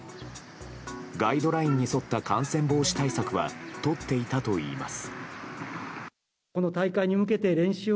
ガイドラインに沿った感染防止対策はとっていたといいます。